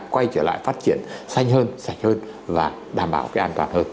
quay trở lại phát triển xanh hơn sạch hơn và đảm bảo cái an toàn hơn